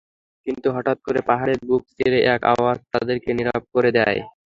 কিন্তু হঠাৎ করে পাহাড়ের বুক চিরে এক আওয়াজ তাদেরকে নীরব করে দেয়।